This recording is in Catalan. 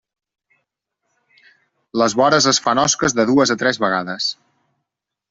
Les vores es fan osques de dues a tres vegades.